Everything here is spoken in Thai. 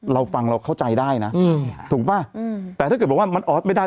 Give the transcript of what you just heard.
เราฟังเราเข้าใจได้นะถูกป่ะแต่ถ้าเกิดบอกว่ามันออสไม่ได้